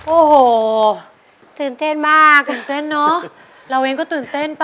โอ้โหตื่นเต้นมากตื่นเต้นเนอะเราเองก็ตื่นเต้นป่